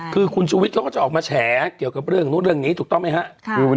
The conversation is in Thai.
คุณชูวิทรเขาก็จะออกมาแฉเกี่ยวกับเรื่องนี้ถูกต้องไหมครับ